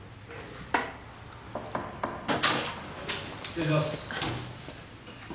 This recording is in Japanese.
失礼します。